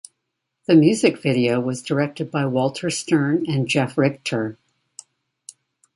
The music video was directed by Walter Stern and Jeff Richter.